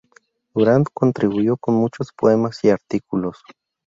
Brand contribuyó con muchos poemas y artículos.